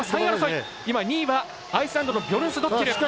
今、２位にはアイスランドのビョルンスドッティル。